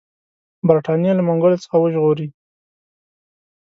برټانیې له منګولو څخه وژغوري.